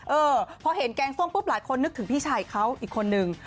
เออพอเห็นแกงส้มปุ๊บหลายคนนึกถึงพี่ชายเขาอีกคนนึง